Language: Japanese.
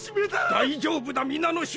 大丈夫だ皆の衆！